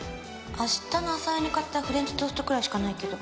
明日の朝用に買ったフレンチトーストくらいしかないけど。